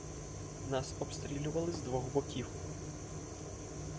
Нас обстрілювали з двох боків.